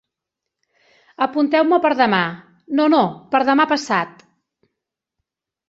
Apunteu-me per demà, no, no, per demà passat.